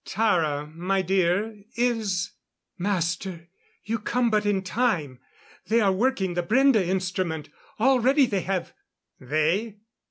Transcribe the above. "Tara, my dear is " "Master you come but in time. They are working the Brende instrument. Already they have " "They?